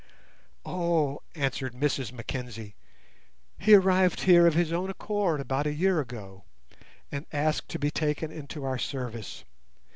"Oh," answered Mrs Mackenzie, "he arrived here of his own accord about a year ago, and asked to be taken into our service.